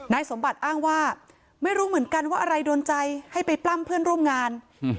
สมบัติอ้างว่าไม่รู้เหมือนกันว่าอะไรโดนใจให้ไปปล้ำเพื่อนร่วมงาน